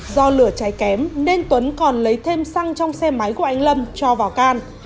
do lửa cháy kém nên tuấn còn lấy thêm xăng trong xe máy của anh lâm cho vào can